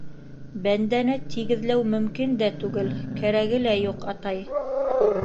Бәндәне тигеҙләү мөмкин дә түгел, кәрәге лә юҡ, атай!